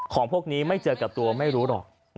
พวกนี้ไม่เจอกับตัวไม่รู้หรอก